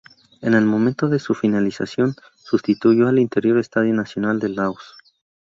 En el momento de su finalización, sustituyó al anterior Estadio Nacional de Laos.